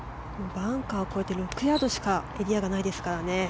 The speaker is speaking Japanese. バンカーを越えて６ヤードしかエリアがないですからね。